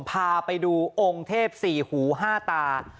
พาไปดูองค์เทพสี่หูห้าตา